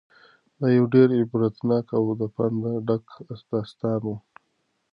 دا یو ډېر عبرتناک او د پند نه ډک داستان و.